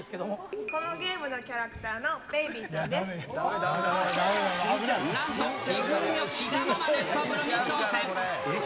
このゲームのキャラクターのなんと、着ぐるみを着たまま熱湯風呂に挑戦。